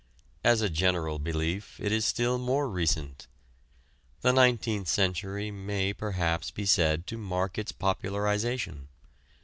As a general belief it is still more recent. The nineteenth century may perhaps be said to mark its popularization.